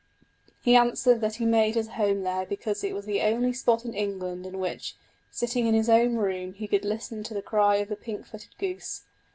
He answered, that he made his home there because it was the only spot in England in which, sitting in his own room, he could listen to the cry of the pink footed goose.